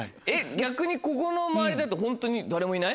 逆にここの周りだとホントに誰もいない？